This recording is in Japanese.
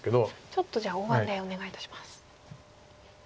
ちょっとじゃあ大盤でお願いいたします。